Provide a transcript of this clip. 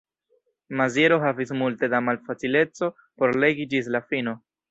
Maziero havis multe da malfacileco por legi ĝis la fino.